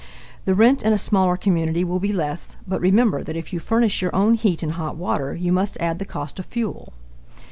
The rent in a smaller community will be less, but remember that if you furnish your own heat and hot water, you must add the cost of fuel.